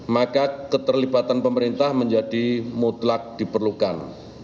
maka keterlibatan pemerintah menjadi mutlak diperlukan